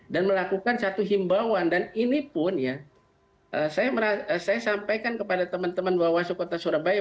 dan melakukan satu himbauan dan ini pun ya saya sampaikan kepada teman teman bawaslu kota surabaya